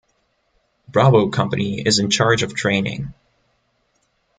Bravo company is in charge of training.